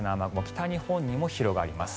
北日本にも広がります。